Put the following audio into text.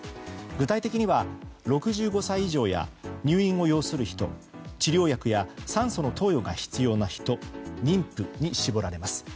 具体的には６５歳以上や入院を要する人治療薬や酸素の投与が必要な人妊婦に絞られます。